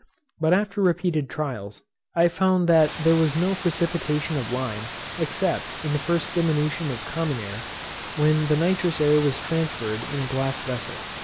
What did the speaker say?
But after repeated trials, I found that there was no precipitation of lime, except, in the first diminution of common air, when the nitrous air was transferred in a glass vessel.